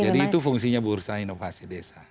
jadi itu fungsinya bursa inovasi desa